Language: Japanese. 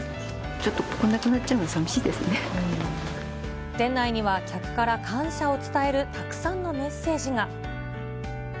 ちょっと、ここなくなっちゃ店内には客から感謝を伝えるたくさんのメッセージが。